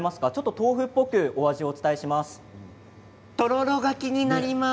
豆腐っぽくお味をお伝えします。